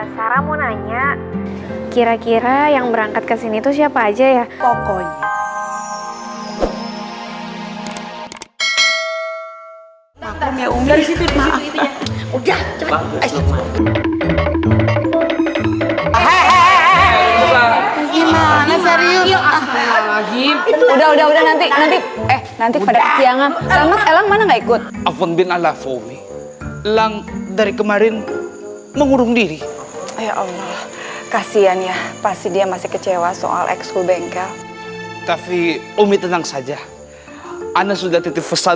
sampai jumpa di video selanjutnya